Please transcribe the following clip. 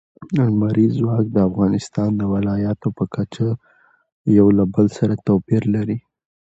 لمریز ځواک د افغانستان د ولایاتو په کچه یو له بل سره توپیر لري.